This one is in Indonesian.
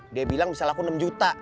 dia bilang bisa laku enam juta